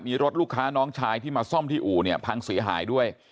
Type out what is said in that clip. มีรถลูกค้าน้องชายที่มาซ่อมที่อู่เนี่ยพังเสียหายด้วย